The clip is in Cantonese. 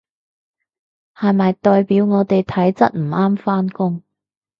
係咪代表我體質唔啱返工？